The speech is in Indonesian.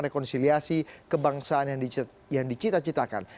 rekonsiliasi kebangsaan yang dicita citakan